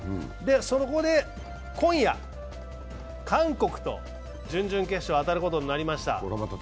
そこで今夜、韓国と準々決勝、当たることになりました。